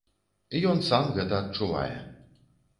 Ён сам гэта адчувае.